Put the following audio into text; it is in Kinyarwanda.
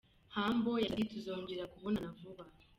Humble yagize ati: “Tuzongera kubonana vuba”.